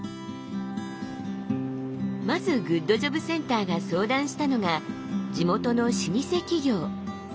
まずグッドジョブセンターが相談したのが地元の老舗企業。